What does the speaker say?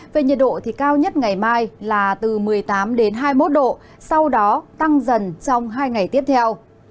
về nhiệt độ thì cao nhất ngày mai là từ một mươi tám hai mươi một độ sau đó tăng dần trong hai ngày tiếp theo